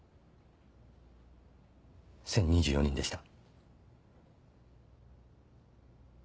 １０２４人でした。